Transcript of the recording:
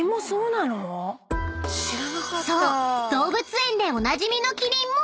動物園でおなじみのキリンも］